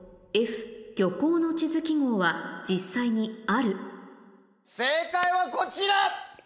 Ｆ漁港の地図記号は実際にある正解はこちら！